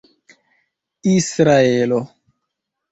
israelo